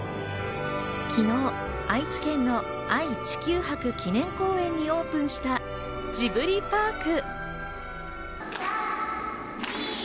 昨日、愛知県の愛・地球博記念公園にオープンしたジブリパーク。